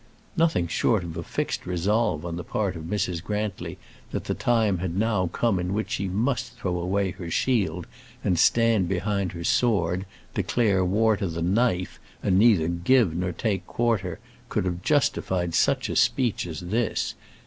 Nothing short of a fixed resolve on the part of Mrs. Grantly that the time had now come in which she must throw away her shield and stand behind her sword, declare war to the knife, and neither give nor take quarter, could have justified such a speech as this.